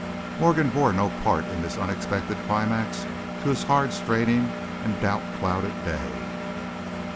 Morgan bore no part in this unexpected climax to his hard straining and doubt clouded day.